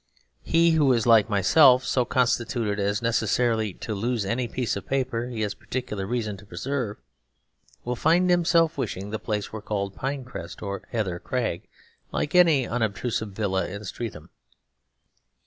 He who is, like myself, so constituted as necessarily to lose any piece of paper he has particular reason to preserve, will find himself wishing the place were called 'Pine Crest' or 'Heather Crag' like any unobtrusive villa in Streatham.